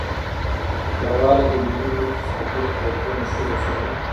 يووالی د ملي ګټو د ساتلو تر ټولو ښه وسيله ده.